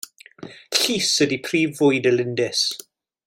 Llus ydy prif fwyd y lindys.